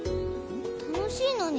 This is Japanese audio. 楽しいのに。